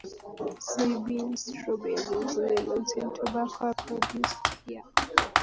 Soybeans, strawberries, melons and tobacco are also produced here.